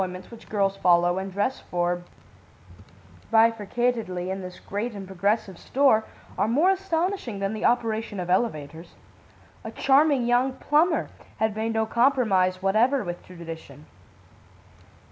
"Other employments which girls follow and dress for bifurcatedly in this great and progressive store are more astonishing than the operation of elevators. A charming young plumber had made no compromise whatever with tradition.